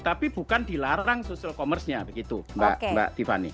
tapi bukan dilarang social commerce nya begitu mbak tiffany